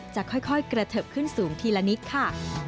จะค่อยกระเทิบขึ้นสูงทีละนิดค่ะ